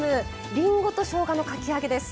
りんごとしょうがのかき揚げです。